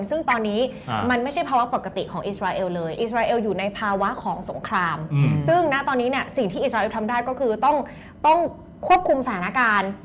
ซึ่งตอนนี้มันไม่ใช่ภาวะปกติของอิสราเอลเลยอิสราเอลอยู่ในภาวะของสงครามซึ่งณตอนนี้เนี่ยสิ่งที่อิสราเอลทำได้ก็คือต้องควบคุมสถานการณ์